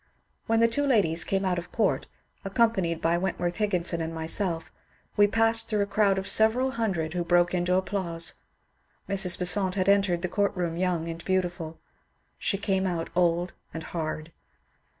When the two ladies came out of court, accompanied by Wentworth Higginson and myself, we passed through a crowd of several hundred who broke into applause. Mrs. Besant had entered the court room young and beautiful ; she came out old and hard.